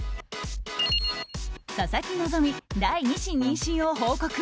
佐々木希、第２子妊娠を報告。